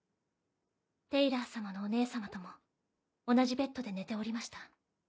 テイラー様のお姉様とも同じベッドで寝ておりました。